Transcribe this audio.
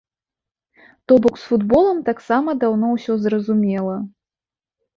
То бок з футболам таксама даўно ўсё зразумела.